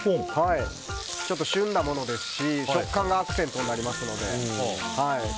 旬なものですし食感のアクセントになりますので。